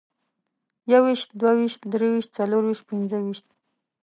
يوويشت، دوه ويشت، درویشت، څلرويشت، پنځه ويشت